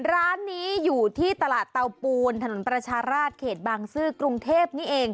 ร้านนี้อยู่ที่ตลาดเตาปูนถนนประชาราชเขตบางซื่อกรุงเทพนี่เอง